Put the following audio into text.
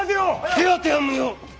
手当ては無用。